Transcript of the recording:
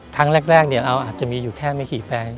ทั้งแรกอาจจะมีอยู่แค่เมฮีแปลง